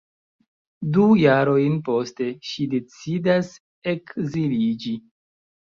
Du jarojn poste ŝi decidas ekziliĝi.